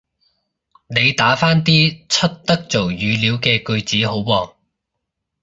你打返啲出得做語料嘅句子好喎